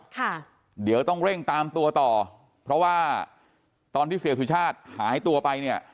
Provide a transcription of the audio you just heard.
ค่ะเดี๋ยวต้องเร่งตามตัวต่อเพราะว่าตอนที่เสียสุชาติหายตัวไปเนี่ย